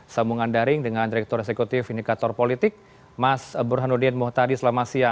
sambungan daring dengan direktur eksekutif indikator politik mas burhanuddin muhtadi selamat siang